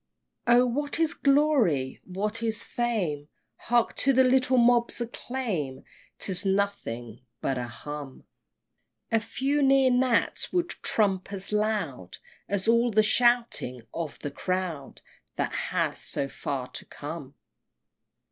XIII. Oh! what is glory? what is fame? Hark to the little mob's acclaim, 'Tis nothing but a hum! A few near gnats would trump as loud As all the shouting of a crowd That has so far to come!